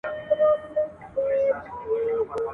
چي د آس پر ځای چا خر وي درولی !.